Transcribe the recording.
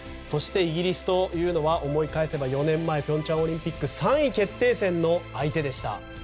そして、イギリスというのは思い返せば４年前平昌オリンピックの３位決定戦の相手でした。